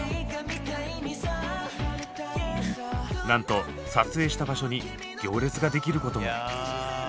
なんと撮影した場所に行列ができることも。